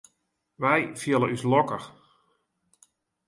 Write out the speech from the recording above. Wy fiele ús lokkich.